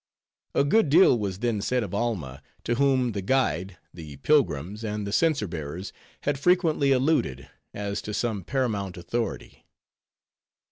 A good deal was then said of Alma, to whom the guide, the pilgrims, and the censer bearers had frequently alluded, as to some paramount authority.